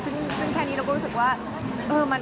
ซึ่งแค่นี้เราก็รู้สึกว่า